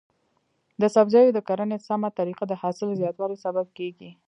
د سبزیو د کرنې سمه طریقه د حاصل زیاتوالي سبب کیږي.